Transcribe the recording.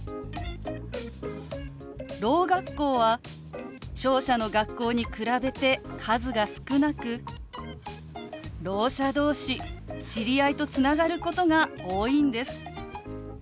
ろう学校は聴者の学校に比べて数が少なくろう者同士知り合いとつながることが多いんです。